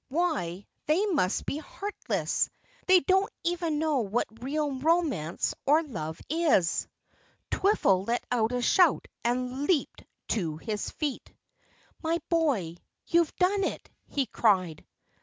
Why, they must be heartless. They don't even know what real romance or love is!" Twiffle let out a shout and leaped to his feet. "My boy, you've done it!" he cried.